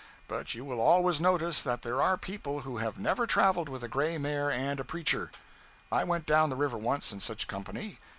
But you will always notice that they are people who have never traveled with a gray mare and a preacher. I went down the river once in such company.